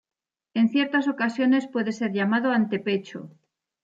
En ciertas ocasiones puede ser llamado antepecho.